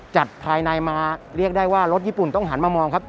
จัดภายในมาเรียกได้ว่ารถญี่ปุ่นต้องหันมามองครับ